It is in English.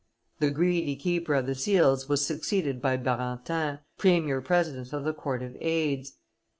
The greedy keeper of the seals was succeeded by Barentin, premier president of the Court of Aids.